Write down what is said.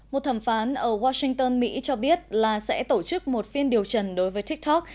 một thẩm phán ở washington mỹ cho biết là sẽ tổ chức một phiên điều trần đối với tiktok